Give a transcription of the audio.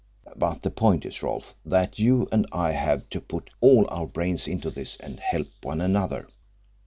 But the point is, Rolfe, that you and I have to put all our brains into this and help one another.